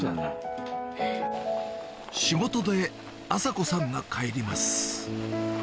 仕事で麻子さんが帰ります